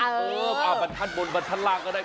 เออบรรทัดบนบรรทัดล่างก็ได้